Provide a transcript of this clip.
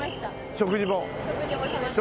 食事もしました。